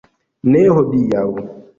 Nur hodiaŭ.